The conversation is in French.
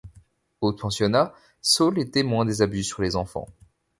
Au pensionnat, Saul est témoin des abus sur les enfants.